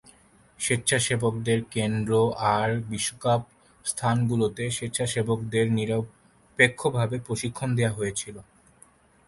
স্বেচ্ছাসেবকদের কেন্দ্র আর বিশ্বকাপ স্থানগুলোতে, স্বেচ্ছাসেবকদের নিরপেক্ষভাবে প্রশিক্ষণ দেয়া হয়েছিল।